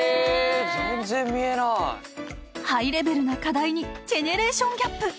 全然見えないハイレベルな課題にジェネレーションギャップ